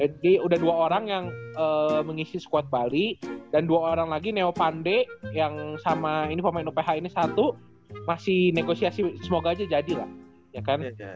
jadi udah dua orang yang mengisi squad bali dan dua orang lagi neo pandey yang sama ini pemain uph ini satu masih negosiasi semoga aja jadi lah ya kan